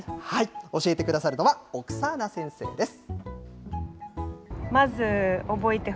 教えてくださるのは、オクサーナ先生です。